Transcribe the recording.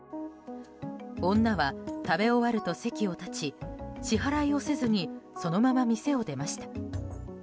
女は、食べ終わると席を立ち支払いをせずにそのまま店を出ました。